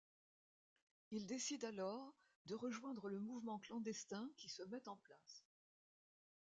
Il décide alors de rejoindre le mouvement clandestin qui se met en place.